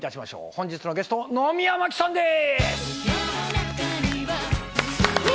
本日のゲスト、野宮真貴さんです。